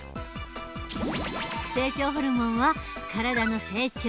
成長ホルモンは体の成長